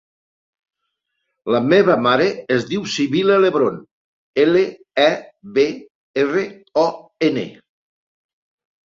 La meva mare es diu Sibil·la Lebron: ela, e, be, erra, o, ena.